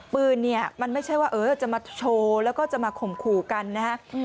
ปืนเนี่ยมันไม่ใช่ว่าจะมาโชว์แล้วก็จะมาข่มขู่กันนะฮะ